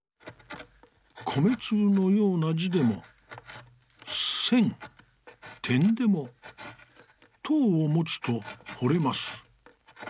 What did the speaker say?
米粒のような字でも、線、点でも刀を持つと彫れます。